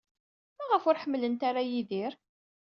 Maɣef ur ḥemmlent ara Yidir?